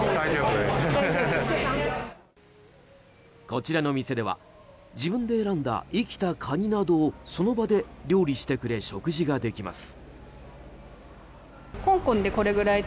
こちらの店では自分で選んだ生きたカニなどをその場で料理してくれ食事ができます。